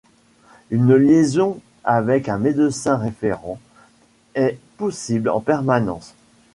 Une liaison avec un médecin référent est possible en permanence.